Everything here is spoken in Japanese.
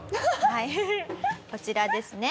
はいこちらですね。